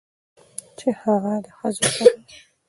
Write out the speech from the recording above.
چې هغه د ښځو سره